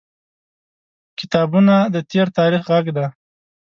• کتابونه د تیر تاریخ غږ دی.